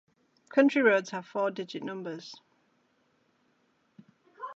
County roads have four-digit numbers.